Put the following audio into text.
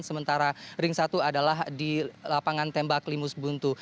sementara ring satu adalah di lapangan tembak limus buntu